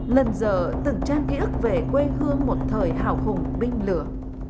lần giờ từng trang ký ức về quê hương một thời hào hùng binh lửa